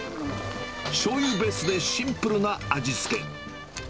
しょうゆベースでシンプルな味付け。